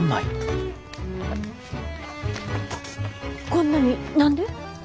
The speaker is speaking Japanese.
こんなに何で？